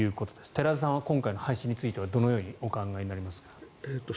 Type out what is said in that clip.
寺田さんは今回の廃止についてはどうお考えですか。